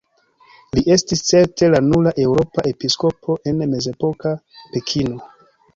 Li estis certe la nura eŭropa episkopo en mezepoka Pekino.